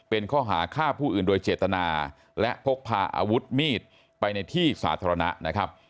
เป็นข้อหาฆ่าผู้อื่นโดยเจตนาและพกพาอาวุธมีดไปในที่สาธารณะนะครับ